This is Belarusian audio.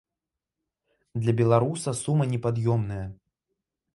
Для беларуса сума непад'ёмная.